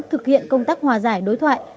thực hiện công tác hòa giải đối thoại